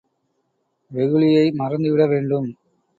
வெகுளியை மறந்துவிட வேண்டும்.